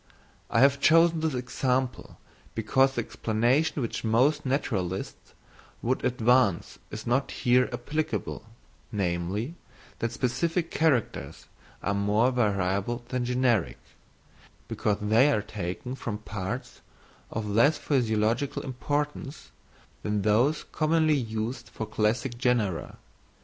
I have chosen this example because the explanation which most naturalists would advance is not here applicable, namely, that specific characters are more variable than generic, because they are taken from parts of less physiological importance than those commonly used for classing genera.